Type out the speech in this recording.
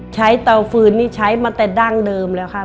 เตาฟืนนี่ใช้มาแต่ดั้งเดิมแล้วค่ะ